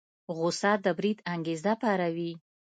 غوسه د بريد انګېزه پاروي.